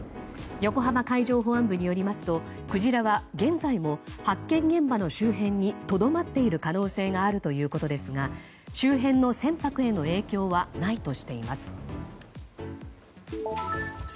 横浜海上保安部によりますとクジラは現在も発見現場の周辺にとどまっている可能性があるということですが周辺の船舶への影響はないとしています。